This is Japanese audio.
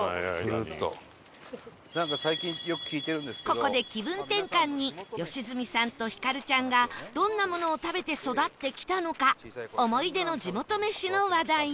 ここで気分転換に良純さんとひかるちゃんがどんなものを食べて育ってきたのか思い出の地元飯の話題に